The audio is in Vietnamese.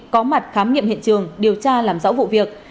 có mặt khám nghiệm hiện trường điều tra làm rõ vụ việc